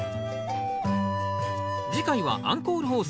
次回はアンコール放送